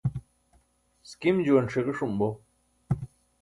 sikim juwan ṣiġiṣum bo